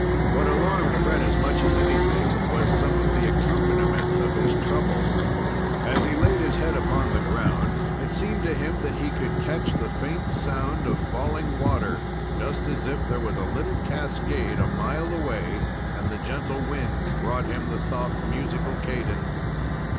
What alarmed Fred as much as anything was some of the accompaniments of his trouble. As he laid his head upon the ground, it seemed to him that he could catch the faint sound of falling water, just as if there was a little cascade a mile away, and the gentle wind brought him the soft, musical cadence.